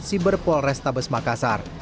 siberpol restabes makassar